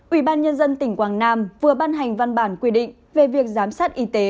ubnd tỉnh quảng nam vừa ban hành văn bản quy định về việc giám sát y tế